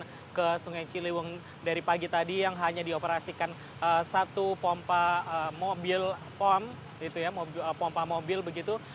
dan juga ke sungai ciliweng dari pagi tadi yang hanya dioperasikan satu pompa mobil